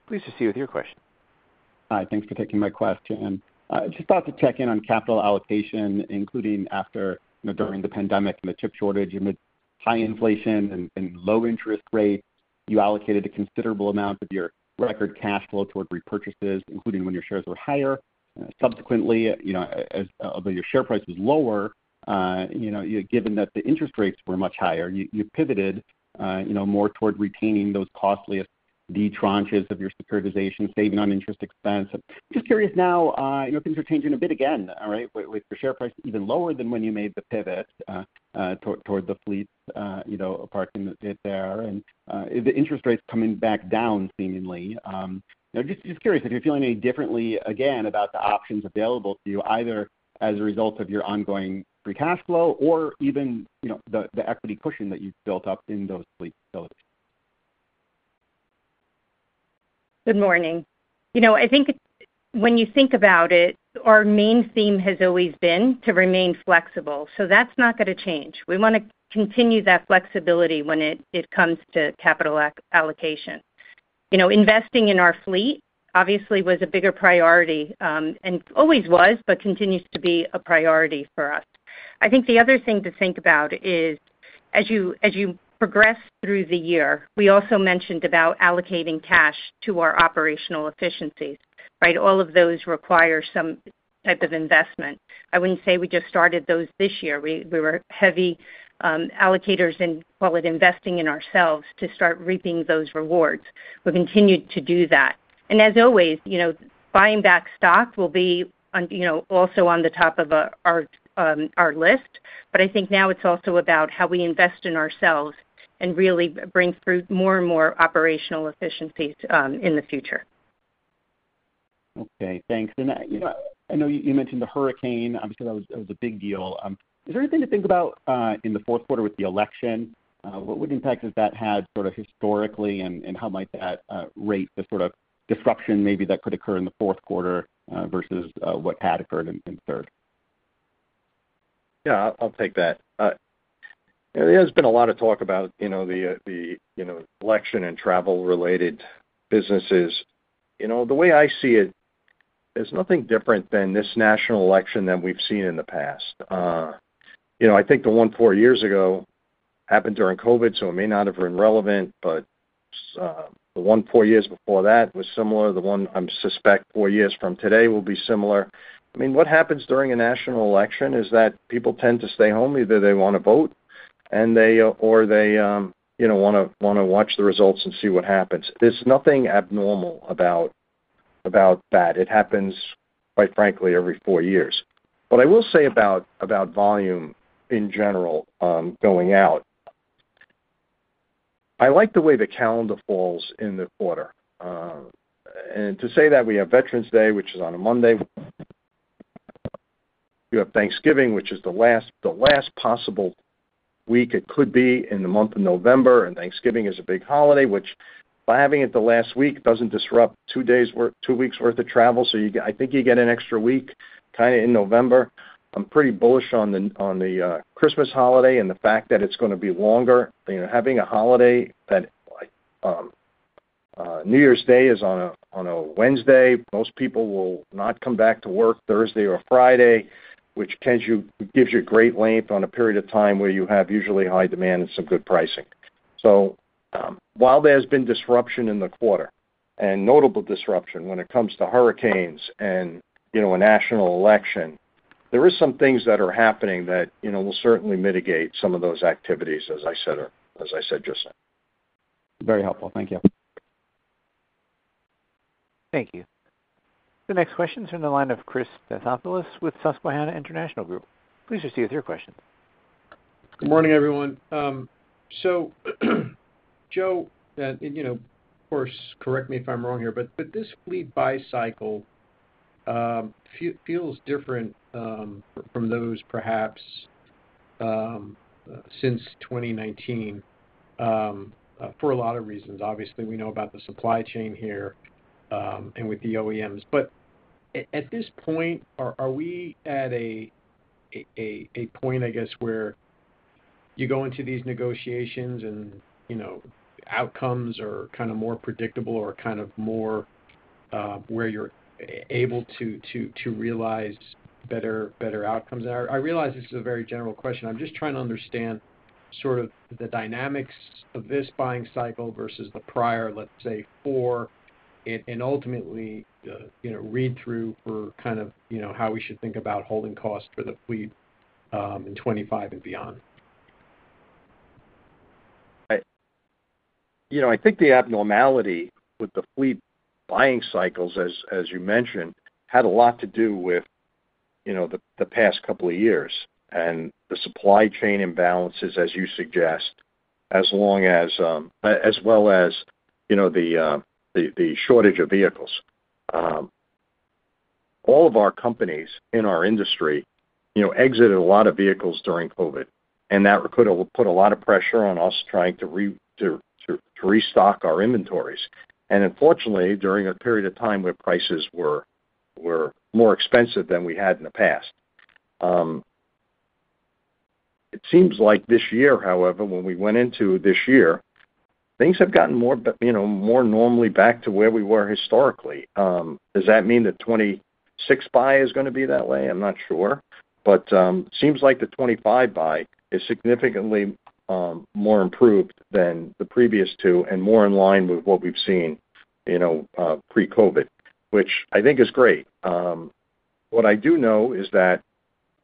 Please proceed with your question. Hi. Thanks for taking my question. Just thought to check in on capital allocation, including after during the pandemic and the chip shortage and the high inflation and low interest rates. You allocated a considerable amount of your record cash flow toward repurchases, including when your shares were higher. Subsequently, although your share price was lower, given that the interest rates were much higher, you pivoted more toward retaining those costliest debt tranches of your securitization, saving on interest expense. Just curious now, things are changing a bit again, right? With your share price even lower than when you made the pivot toward the fleet parking it there. And the interest rates coming back down seemingly. Just curious if you're feeling any differently again about the options available to you, either as a result of your ongoing free cash flow or even the equity cushion that you've built up in those fleets. Good morning. I think when you think about it, our main theme has always been to remain flexible. So that's not going to change. We want to continue that flexibility when it comes to capital allocation. Investing in our fleet, obviously, was a bigger priority and always was, but continues to be a priority for us. I think the other thing to think about is, as you progress through the year, we also mentioned about allocating cash to our operational efficiencies, right? All of those require some type of investment. I wouldn't say we just started those this year. We were heavy allocators in what we're investing in ourselves to start reaping those rewards. We've continued to do that. And as always, buying back stock will be also on the top of our list. But I think now it's also about how we invest in ourselves and really bring through more and more operational efficiencies in the future. Okay. Thanks, and I know you mentioned the hurricane because it was a big deal. Is there anything to think about in the fourth quarter with the election? What impact has that had sort of historically, and how might that rate the sort of disruption maybe that could occur in the fourth quarter versus what had occurred in the third? Yeah, I'll take that. There's been a lot of talk about the election and travel-related businesses. The way I see it, there's nothing different than this national election that we've seen in the past. I think the one four years ago happened during COVID, so it may not have been relevant. But the one four years before that was similar. The one I suspect four years from today will be similar. I mean, what happens during a national election is that people tend to stay home. Either they want to vote or they want to watch the results and see what happens. There's nothing abnormal about that. It happens, quite frankly, every four years, but I will say about volume in general going out, I like the way the calendar falls in the quarter, and to say that we have Veterans Day, which is on a Monday. You have Thanksgiving, which is the last possible week it could be in the month of November, and Thanksgiving is a big holiday, which by having it the last week doesn't disrupt two weeks' worth of travel, so I think you get an extra week kind of in November. I'm pretty bullish on the Christmas holiday and the fact that it's going to be longer. Having a holiday that New Year's Day is on a Wednesday, most people will not come back to work Thursday or Friday, which gives you a great length on a period of time where you have usually high demand and some good pricing. So while there has been disruption in the quarter and notable disruption when it comes to hurricanes and a national election, there are some things that are happening that will certainly mitigate some of those activities, as I said just now. Very helpful. Thank you. Thank you. The next question is from the line of Christopher Stathoulopoulos with Susquehanna International Group. Please proceed with your question. Good morning, everyone. So Joe, of course, correct me if I'm wrong here, but this fleet buy cycle feels different from those perhaps since 2019 for a lot of reasons. Obviously, we know about the supply chain here and with the OEMs. But at this point, are we at a point, I guess, where you go into these negotiations and outcomes are kind of more predictable or kind of more where you're able to realize better outcomes? And I realize this is a very general question. I'm just trying to understand sort of the dynamics of this buying cycle versus the prior, let's say, four, and ultimately read through for kind of how we should think about holding costs for the fleet in 2025 and beyond. Right. I think the abnormality with the fleet buying cycles, as you mentioned, had a lot to do with the past couple of years and the supply chain imbalances, as you suggest, as well as the shortage of vehicles. All of our companies in our industry exited a lot of vehicles during COVID, and that put a lot of pressure on us trying to restock our inventories. And unfortunately, during a period of time where prices were more expensive than we had in the past, it seems like this year, however, when we went into this year, things have gotten more normally back to where we were historically. Does that mean the 2026 buy is going to be that way? I'm not sure. But it seems like the 2025 buy is significantly more improved than the previous two and more in line with what we've seen pre-COVID, which I think is great. What I do know is that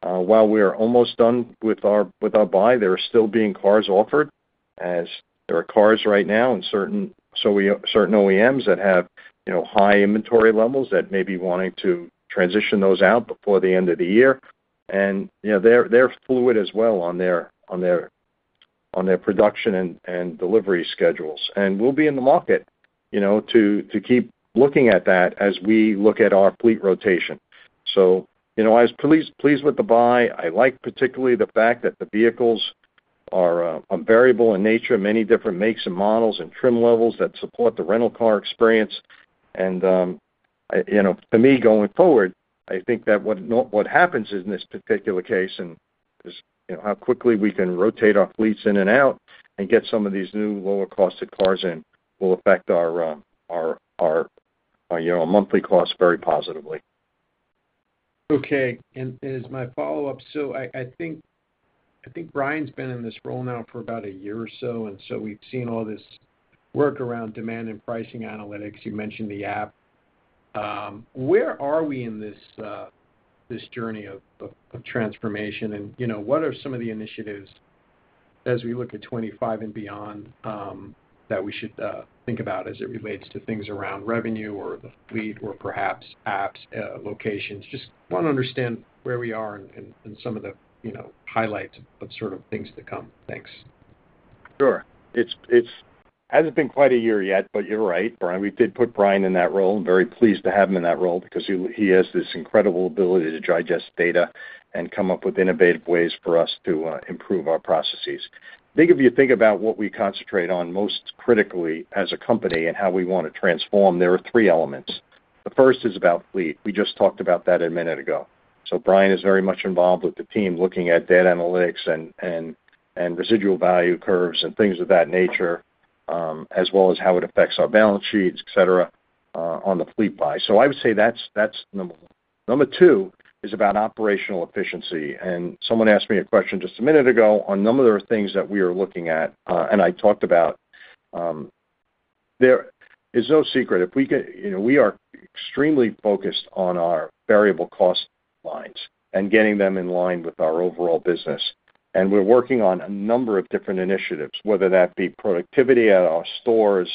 while we are almost done with our buy, there are still being cars offered as there are cars right now in certain OEMs that have high inventory levels that may be wanting to transition those out before the end of the year. And they're fluid as well on their production and delivery schedules. And we'll be in the market to keep looking at that as we look at our fleet rotation. So I was pleased with the buy. I like particularly the fact that the vehicles are variable in nature, many different makes and models and trim levels that support the rental car experience. And for me, going forward, I think that what happens in this particular case and how quickly we can rotate our fleets in and out and get some of these new lower-costed cars in will affect our monthly costs very positively. Okay. And as my follow-up, so I think Brian's been in this role now for about a year or so. And so we've seen all this work around demand and pricing analytics. You mentioned the app. Where are we in this journey of transformation? And what are some of the initiatives as we look at 2025 and beyond that we should think about as it relates to things around revenue or the fleet or perhaps apps, locations? Just want to understand where we are and some of the highlights of sort of things to come. Thanks. Sure. It hasn't been quite a year yet, but you're right, Brian. We did put Brian in that role. I'm very pleased to have him in that role because he has this incredible ability to digest data and come up with innovative ways for us to improve our processes. I think if you think about what we concentrate on most critically as a company and how we want to transform, there are three elements. The first is about fleet. We just talked about that a minute ago. So Brian is very much involved with the team looking at data analytics and residual value curves and things of that nature, as well as how it affects our balance sheets, etc., on the fleet buy. So I would say that's number one. Number two is about operational efficiency. And someone asked me a question just a minute ago on number of things that we are looking at, and I talked about. There is no secret. We are extremely focused on our variable cost lines and getting them in line with our overall business, and we're working on a number of different initiatives, whether that be productivity at our stores,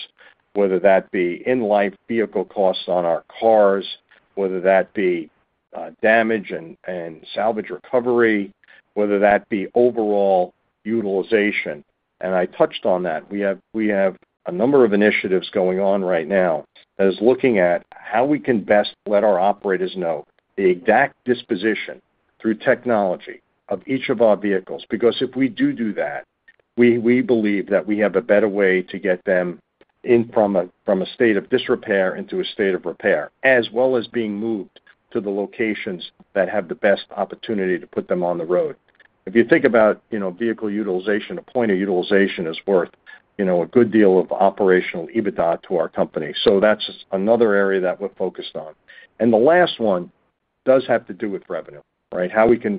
whether that be in-life vehicle costs on our cars, whether that be damage and salvage recovery, whether that be overall utilization, and I touched on that. We have a number of initiatives going on right now that is looking at how we can best let our operators know the exact disposition through technology of each of our vehicles. Because if we do do that, we believe that we have a better way to get them in from a state of disrepair into a state of repair, as well as being moved to the locations that have the best opportunity to put them on the road. If you think about vehicle utilization, a point of utilization is worth a good deal of operational EBITDA to our company. So that's another area that we're focused on. And the last one does have to do with revenue, right? How we can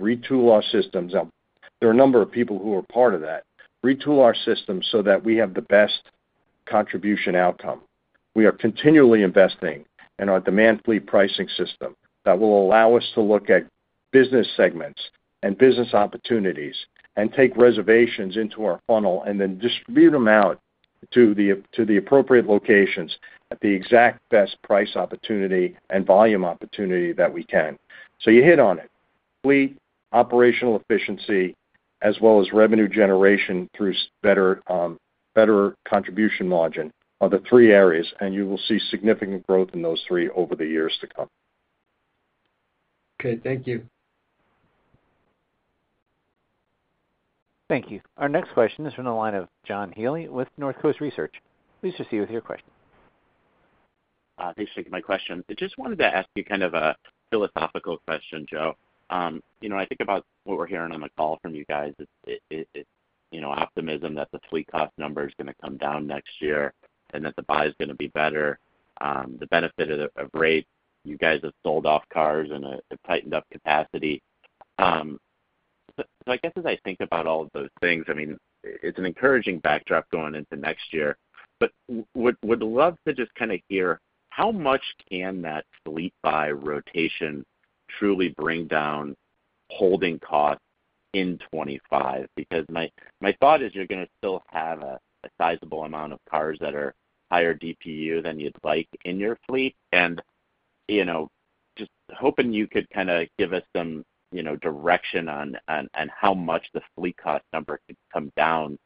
retool our systems. There are a number of people who are part of that. Retool our systems so that we have the best contribution outcome. We are continually investing in our demand fleet pricing system that will allow us to look at business segments and business opportunities and take reservations into our funnel and then distribute them out to the appropriate locations at the exact best price opportunity and volume opportunity that we can. So you hit on it. Fleet, operational efficiency, as well as revenue generation through better contribution margin are the three areas, and you will see significant growth in those three over the years to come. Okay. Thank you. Thank you. Our next question is from the line of John Healy with North Coast Research. Please proceed with your question. Thanks for taking my question. I just wanted to ask you kind of a philosophical question, Joe. I think about what we're hearing on the call from you guys. It's optimism that the fleet cost number is going to come down next year and that the buy is going to be better. The benefit of rate. You guys have sold off cars and have tightened up capacity. So I guess as I think about all of those things, I mean, it's an encouraging backdrop going into next year. But would love to just kind of hear how much can that fleet buy rotation truly bring down holding costs in 2025? Because my thought is you're going to still have a sizable amount of cars that are higher DPU than you'd like in your fleet. And just hoping you could kind of give us some direction on how much the fleet cost number could come down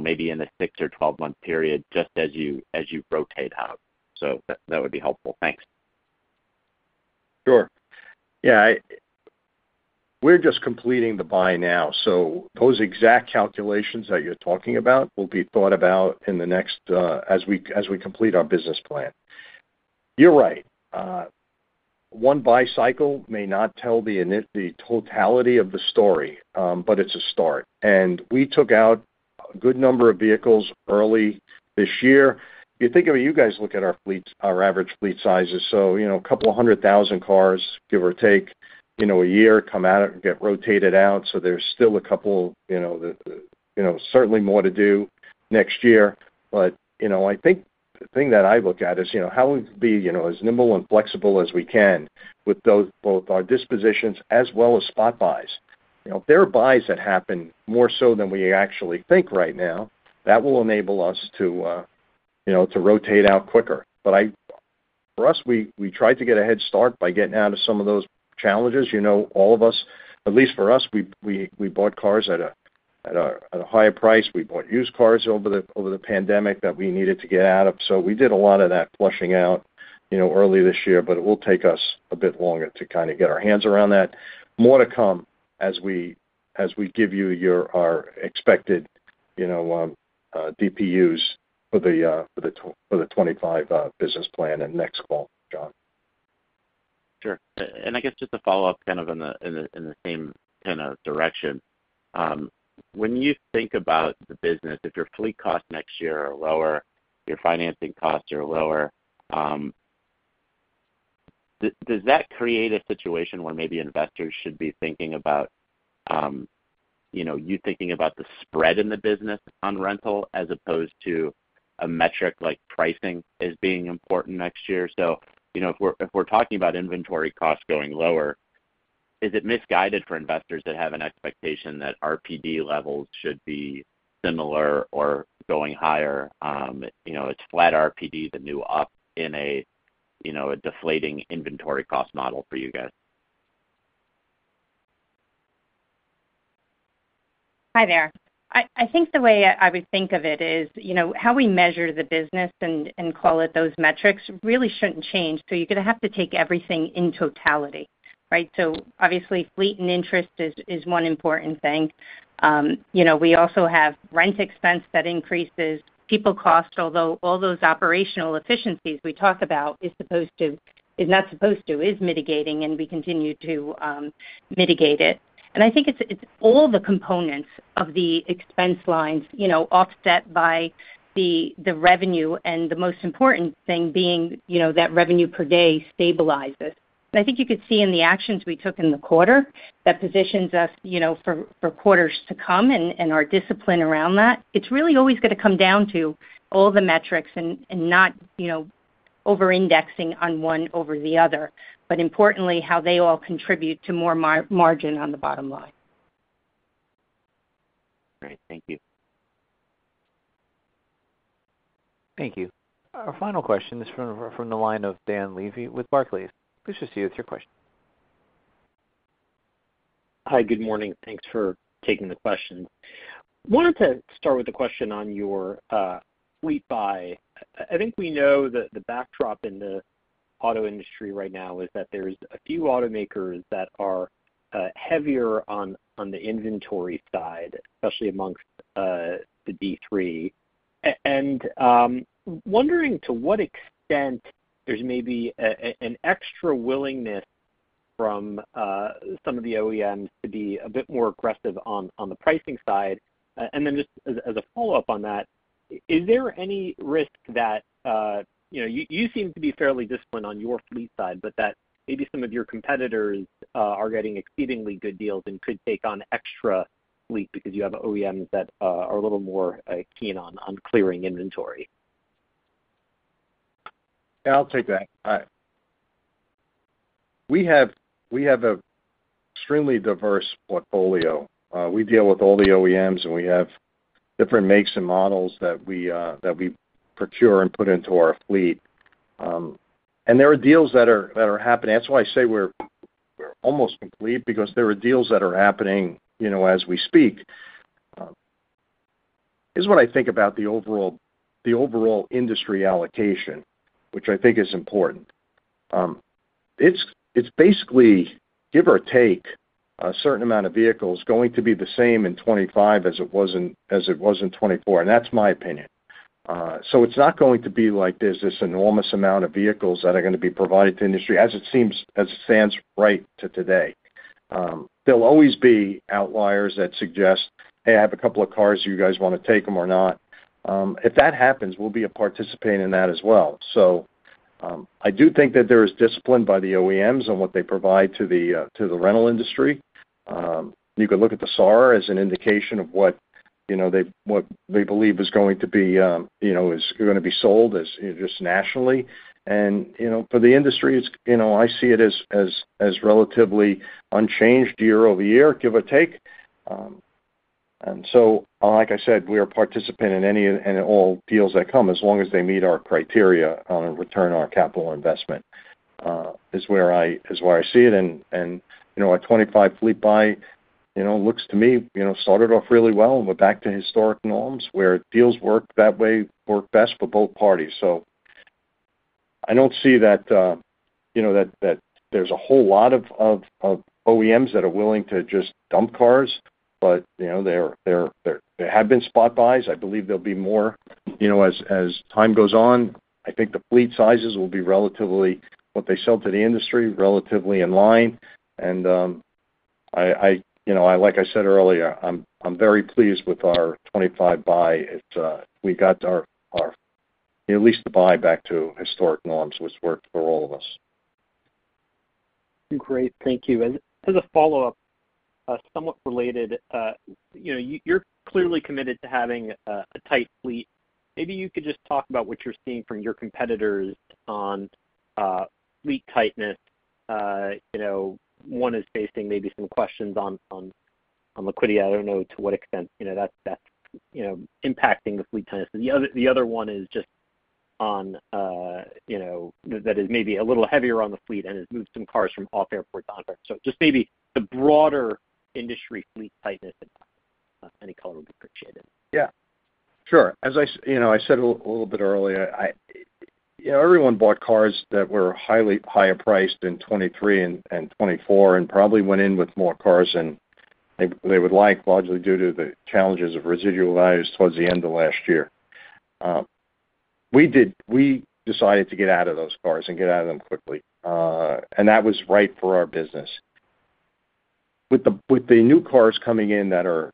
maybe in a six or 12-month period just as you rotate out. So that would be helpful. Thanks. Sure. Yeah. We're just completing the buy now. So those exact calculations that you're talking about will be thought about in the next as we complete our business plan. You're right. One buy cycle may not tell the totality of the story, but it's a start. And we took out a good number of vehicles early this year. You think of it, you guys look at our average fleet sizes. So a couple of hundred thousand cars, give or take, a year come out and get rotated out. So there's still a couple of certainly more to do next year. But I think the thing that I look at is how we can be as nimble and flexible as we can with both our dispositions as well as spot buys. There are buys that happen more so than we actually think right now. That will enable us to rotate out quicker. But for us, we tried to get a head start by getting out of some of those challenges. All of us, at least for us, we bought cars at a higher price. We bought used cars over the pandemic that we needed to get out of. So we did a lot of that flushing out early this year, but it will take us a bit longer to kind of get our hands around that. More to come as we give you our expected DPUs for the 2025 business plan and next call, John. Sure. And I guess just to follow up kind of in the same kind of direction, when you think about the business, if your fleet costs next year are lower, your financing costs are lower, does that create a situation where maybe investors should be thinking about you thinking about the spread in the business on rental as opposed to a metric like pricing as being important next year? So if we're talking about inventory costs going lower, is it misguided for investors that have an expectation that RPD levels should be similar or going higher? It's flat RPD to new up in a deflating inventory cost model for you guys. Hi there. I think the way I would think of it is how we measure the business and call it those metrics really shouldn't change. So you're going to have to take everything in totality, right? So obviously, fleet and interest is one important thing. We also have rent expense that increases, people cost, although all those operational efficiencies we talk about is not supposed to, is mitigating, and we continue to mitigate it. And I think it's all the components of the expense lines offset by the revenue and the most important thing being that revenue per day stabilizes. And I think you could see in the actions we took in the quarter that positions us for quarters to come and our discipline around that. It's really always going to come down to all the metrics and not over-indexing on one over the other, but importantly, how they all contribute to more margin on the bottom line. Great. Thank you. Thank you. Our final question is from the line of Dan Levy with Barclays. Please proceed with your question. Hi. Good morning. Thanks for taking the question. I wanted to start with a question on your fleet buy. I think we know that the backdrop in the auto industry right now is that there are a few automakers that are heavier on the inventory side, especially among the D3, and wondering to what extent there's maybe an extra willingness from some of the OEMs to be a bit more aggressive on the pricing side. And then just as a follow-up on that, is there any risk that you seem to be fairly disciplined on your fleet side, but that maybe some of your competitors are getting exceedingly good deals and could take on extra fleet because you have OEMs that are a little more keen on clearing inventory? Yeah, I'll take that. We have an extremely diverse portfolio. We deal with all the OEMs, and we have different makes and models that we procure and put into our fleet. And there are deals that are happening. That's why I say we're almost complete because there are deals that are happening as we speak. This is what I think about the overall industry allocation, which I think is important. It's basically, give or take, a certain amount of vehicles going to be the same in 2025 as it was in 2024. And that's my opinion. So it's not going to be like there's this enormous amount of vehicles that are going to be provided to the industry as it stands right up to today. There'll always be outliers that suggest, "Hey, I have a couple of cars. Do you guys want to take them or not?" If that happens, we'll be participating in that as well. So I do think that there is discipline by the OEMs on what they provide to the rental industry. You could look at the SAR as an indication of what they believe is going to be sold just nationally. And for the industry, I see it as relatively unchanged year over year, give or take. And so, like I said, we are participating in all deals that come as long as they meet our criteria on a return on our capital investment is where I see it. And a 2025 fleet buy looks to me started off really well and went back to historic norms where deals work that way best for both parties. So I don't see that there's a whole lot of OEMs that are willing to just dump cars, but there have been spot buys. I believe there'll be more as time goes on. I think the fleet sizes will be relatively what they sell to the industry, relatively in line. And like I said earlier, I'm very pleased with our 2025 buy. We got at least the buy back to historic norms, which worked for all of us. Great. Thank you. As a follow-up, somewhat related, you're clearly committed to having a tight fleet. Maybe you could just talk about what you're seeing from your competitors on fleet tightness. One is facing maybe some questions on liquidity. I don't know to what extent that's impacting the fleet tightness. The other one is just on that is maybe a little heavier on the fleet and has moved some cars from off-airport to on-airport. So just maybe the broader industry fleet tightness, any color would be appreciated. Yeah. Sure. As I said a little bit earlier, everyone bought cars that were highly higher priced in 2023 and 2024 and probably went in with more cars than they would like largely due to the challenges of residual values towards the end of last year. We decided to get out of those cars and get out of them quickly. That was right for our business. With the new cars coming in that are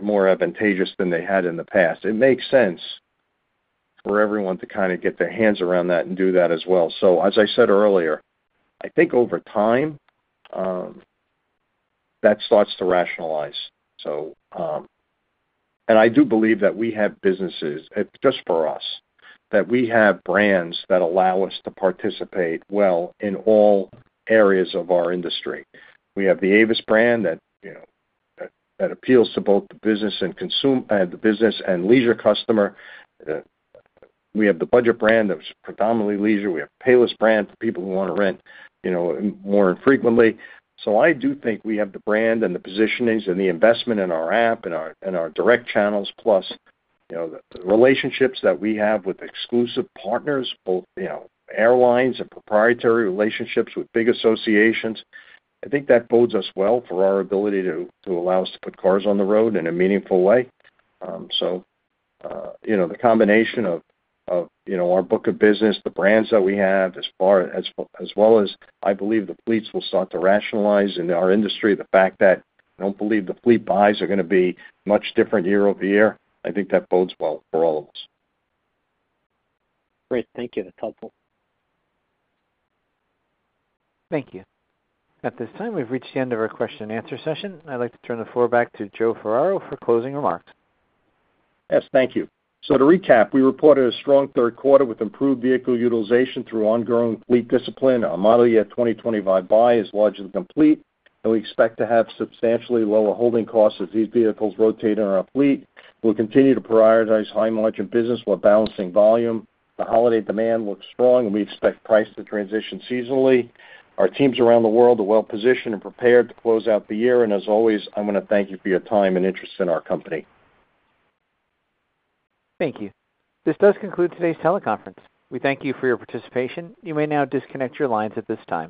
more advantageous than they had in the past, it makes sense for everyone to kind of get their hands around that and do that as well. So as I said earlier, I think over time, that starts to rationalize. I do believe that we have businesses, just for us, that we have brands that allow us to participate well in all areas of our industry. We have the Avis brand that appeals to both the business and leisure customer. We have the Budget brand that was predominantly leisure. We have the Payless brand for people who want to rent more infrequently. So I do think we have the brand and the positionings and the investment in our app and our direct channels, plus the relationships that we have with exclusive partners, both airlines and proprietary relationships with big associations. I think that bodes us well for our ability to allow us to put cars on the road in a meaningful way. So the combination of our book of business, the brands that we have, as well as I believe the fleets will start to rationalize in our industry, the fact that I don't believe the fleet buys are going to be much different year over year, I think that bodes well for all of us. Great. Thank you. That's helpful. Thank you. At this time, we've reached the end of our question-and-answer session. I'd like to turn the floor back to Joe Ferraro for closing remarks. Yes. Thank you. So to recap, we reported a strong third quarter with improved vehicle utilization through ongoing fleet discipline. Our model year 2025 buy is largely complete. We expect to have substantially lower holding costs as these vehicles rotate in our fleet. We'll continue to prioritize high-margin business while balancing volume. The holiday demand looks strong, and we expect price to transition seasonally. Our teams around the world are well-positioned and prepared to close out the year. And as always, I want to thank you for your time and interest in our company. Thank you. This does conclude today's teleconference. We thank you for your participation. You may now disconnect your lines at this time.